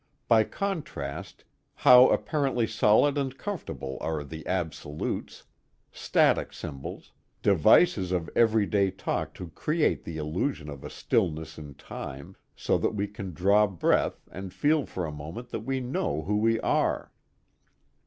By contrast, how apparently solid and comfortable are the absolutes, static symbols, devices of everyday talk to create the illusion of a stillness in time, so that we can draw breath and feel for a moment that we know who we are!